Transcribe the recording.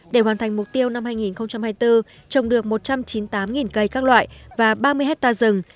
để hoàn thành mục tiêu năm hai nghìn hai mươi bốn trồng được một trăm chín mươi tám cây các loại và ba mươi hectare rừng